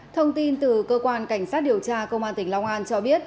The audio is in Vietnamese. thông tin từ cơ quan cảnh sát điều tra công an tỉnh long an cho biết